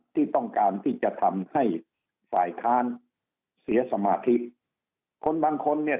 ที่ต้องการที่จะทำให้ฝ่ายค้านเสียสมาธิคนบางคนเนี่ย